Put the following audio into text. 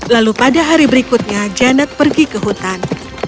lalu pada hari berikutnya janet pergi ke hutan